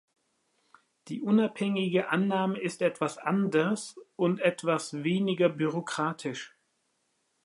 Die unabhängige Annahme ist etwas anders und etwas weniger bürokratisch.